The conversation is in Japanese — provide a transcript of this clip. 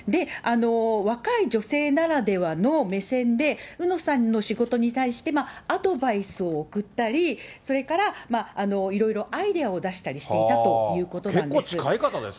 若い女性ならではの目線で、うのさんの仕事に対してアドバイスを送ったり、それからいろいろアイデアを出したりしていたということなんです。